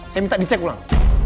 saya minta dicek ulang